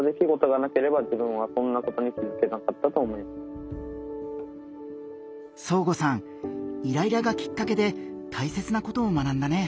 多分そーごさんイライラがきっかけで大切なことを学んだね。